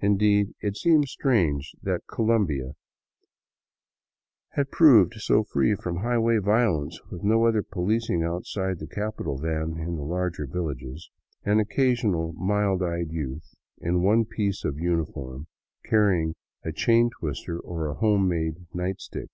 Indeed, it seemed strange that Colombia had proved so free from highway violence, with no other policing outside the capi tal than, in the larger villages, an occasional mild eyed youth in one piece of uniform, carrying a chain twister or a home made " night stick."